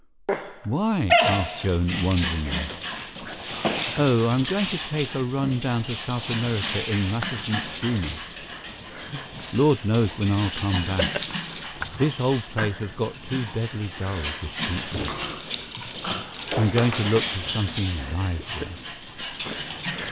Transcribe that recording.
"Why?" asked Joan wonderingly. "Oh, I'm going to take a run down to South America in Matheson's schooner. Lord knows when I'll come back. This old place has got too deadly dull to suit me. I'm going to look for something livelier."